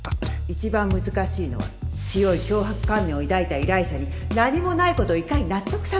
一番難しいのは強い強迫観念を抱いた依頼者に何もないことをいかに納得させるかよ